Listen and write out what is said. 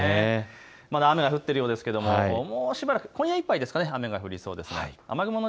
まだ雨が降っているようですけれども今夜いっぱい雨が降りそうです。